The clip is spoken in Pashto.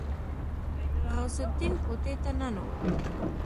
غوث الدين کوټې ته ننوت.